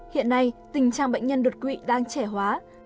hiện nay tình trạng bệnh nhân đột quỵ đang trẻ hóa